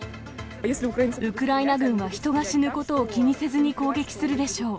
ウクライナ軍は人が死ぬことを気にせずに攻撃するでしょう。